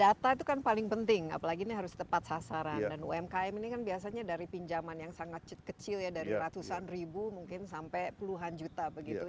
dan data itu kan paling penting apalagi ini harus tepat sasaran dan umkm ini kan biasanya dari pinjaman yang sangat kecil ya dari ratusan ribu mungkin sampai puluhan juta begitu